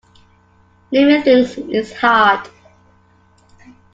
Naming things is hard.